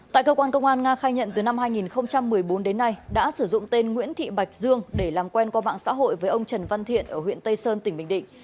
tại cơ quan công an nga khai nhận từ năm hai nghìn một mươi bốn đến nay đã sử dụng tên nguyễn thị bạch dương để làm quen qua mạng xã hội với ông trần văn thiện ở huyện tây sơn tỉnh bình định